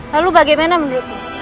lalu bagaimana menurutmu